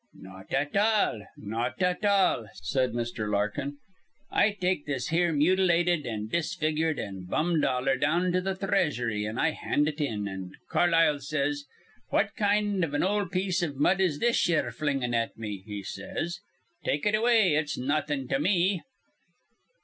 "Not at all, not at all," said Mr. Larkin. "I take this here mutilated an' disfigured an' bum dollar down to th' three asury, an' I hand it in; an' Carlisle says, 'What kind iv an ol' piece iv mud is this ye're flingin' at me?' he says. 'Take it away: it's nawthin' to me.'"